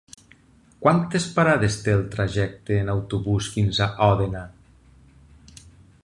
Quantes parades té el trajecte en autobús fins a Òdena?